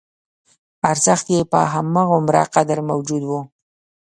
ارزښت یې په همغومره قدر موجود و.